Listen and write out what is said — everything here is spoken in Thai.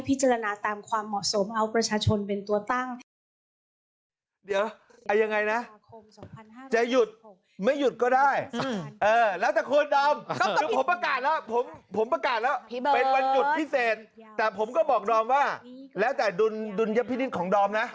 ตามความเหมาะสมเอาประชาชนเป็นตัวตั้งค่ะ